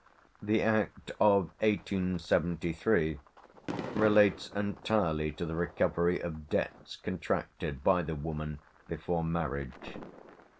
The Act of 1873 relates entirely to the recovery of debts contracted by the woman before marriage.